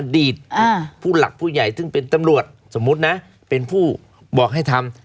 ผู้หลักผู้ใหญ่ซึ่งเป็นตำรวจสมมุตินะเป็นผู้บอกให้ทำ